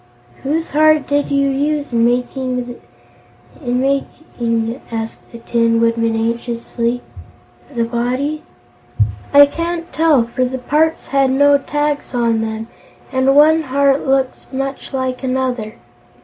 "Whose heart did you use in making the body?" asked the Tin Woodman anxiously. "I can't tell, for the parts had no tags on them and one heart looks much like another.